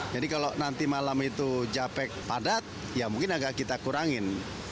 jadi kalau nanti malam itu jahpek padat ya mungkin agak kita kurangin